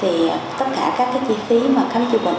thì tất cả các cái chi phí mà khám chữa bệnh